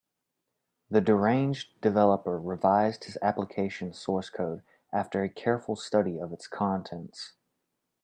The deranged developer revised his application source code after a careful study of its contents.